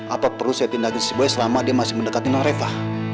apa perlu saya tindakin si boy selama dia masih mendekati non refah